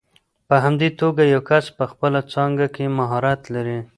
په همدې توګه یو کس په خپله څانګه کې مهارت لري.